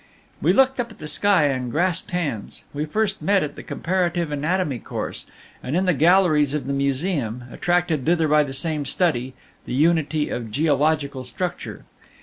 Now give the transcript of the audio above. "We looked up at the sky and grasped hands. We first met at the Comparative Anatomy course, and in the galleries of the Museum, attracted thither by the same study the unity of geological structure.